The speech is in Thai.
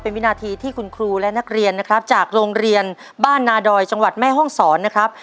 วินาทีที่คุณครูและนักเรียนนะครับจากโรงเรียนบ้านนาดอยจังหวัดแม่ห้องศรนะครับ